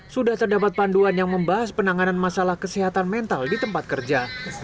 sudah terdapat panduan yang membahas penanganan masalah kesehatan mental di tempat kerja